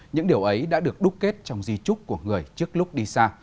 những điều ấy đã được đúc kết trong di trúc của người trước lúc đi xa